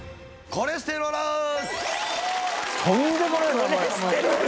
コレステローラーズ。